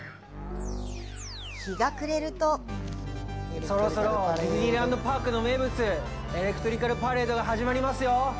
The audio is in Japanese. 日が暮れるとそろそろディズニーランド・パークの名物、エレクトリカル・パレードが始まりますよ！